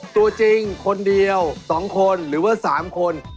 ตัวจริงคนเดียว๒คนหรือว่า๓คน